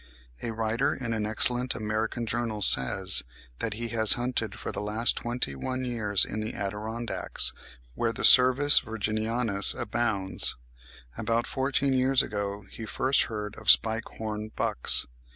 A writer in an excellent American Journal (27. The 'American Naturalist,' Dec. 1869, p. 552.) says, that he has hunted for the last twenty one years in the Adirondacks, where the Cervus virginianus abounds. About fourteen years ago he first heard of SPIKE HORN BUCKS.